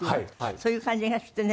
そういう感じがしてね